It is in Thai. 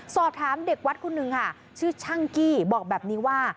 สอบถามเด็กวัดคนหนึ่งค่ะชื่อช่างกี้บอกแบบนี้ว่า